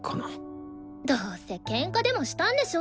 どうせケンカでもしたんでしょ。